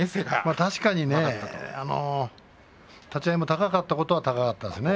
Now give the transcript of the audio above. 確かに立ち合いも高かったことは高かったですね。